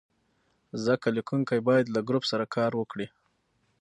ځکه لیکونکی باید له ګروپ سره کار وکړي.